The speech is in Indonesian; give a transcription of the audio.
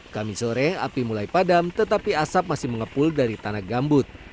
kami sore api mulai padam tetapi asap masih mengepul dari tanah gambut